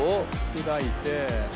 砕いて。